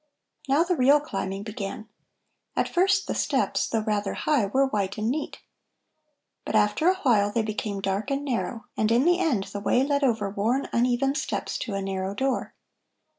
Now the real climbing began. At first the steps, though rather high, were white and neat. But after a while they became dark and narrow, and in the end the way led over worn, uneven steps to a narrow door.